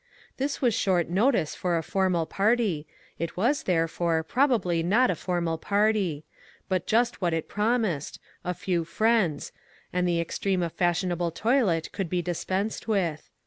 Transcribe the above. This was short notice for a formal party, it was, therefore, probably not a formal party ; but just what it promised — "a few friends," and the extreme of fashionable toilet could be dispensed with.